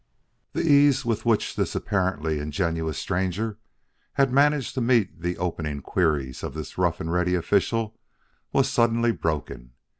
The ease with which this apparently ingenuous stranger had managed to meet the opening queries of this rough and ready official was suddenly broken.